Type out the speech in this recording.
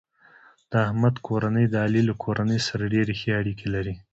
د احمد کورنۍ د علي له کورنۍ سره ډېرې ښې اړیکې لري.